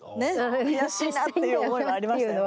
悔しいなっていう思いもありましたよ。